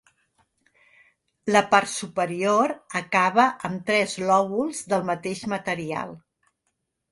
La part superior acaba amb tres lòbuls del mateix material.